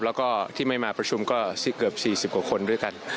แล้วก็ที่ไม่มาประชุมก็เกือบ๔๐กว่าคนด้วยกัน